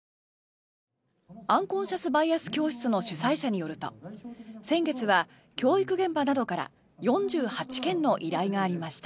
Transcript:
アンコンシャス・バイアス教室の主催者によると先月は教育現場などから４８件の依頼がありました。